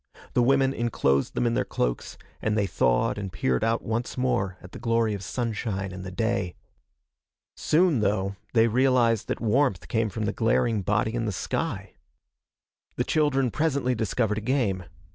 The women enclosed them in their cloaks, and they thawed and peered out once more at the glory of sunshine and the day. Soon, though, they realized that warmth came from the glaring body in the sky. The children presently discovered a game.